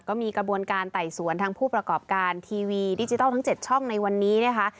ก็มีกระบวนการไต่สวนทางผู้ประกอบการทีวีดิจิทัลทั้ง๗ช่องในวันนี้นะคะ